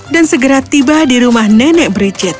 dan segera tiba di rumah nenek brigitte